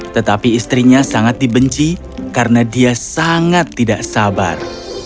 tetapi istrinya sangat dibenci karena dia sangat tidak sabar